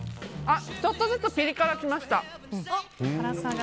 ちょっとずつピリ辛がきました。